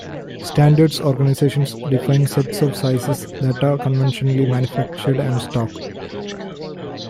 Standards organizations define sets of sizes that are conventionally manufactured and stocked.